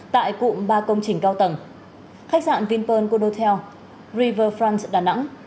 tại cụm ba công trình cao tầng khách dạng vinpearl codotel riverfront đà nẵng